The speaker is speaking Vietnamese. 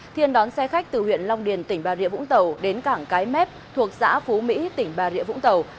thiên đón xe khách từ huyện long điền tỉnh bà rịa vũng tàu đến cảng cái mép thuộc xã phú mỹ tỉnh bà rịa vũng tàu